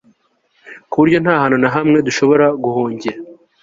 ku buryo nta hantu na hamwe dushobora guhungira